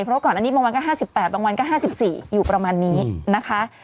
เพราะว่าก่อนอันนี้บางวันก็ห้าสิบแปดบางวันก็ห้าสิบสี่อยู่ประมาณนี้นะคะ